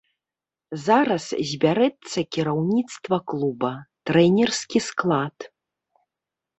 Зараз збярэцца кіраўніцтва клуба, трэнерскі склад.